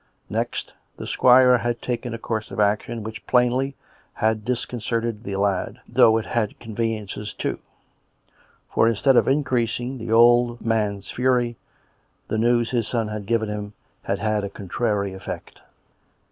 Next, the squire had taken a course of action which, plainly, had discon certed the lad, though it had its conveniences too. For, instead of increasing the old man's fury, the news his son had given him had had a contrary effect.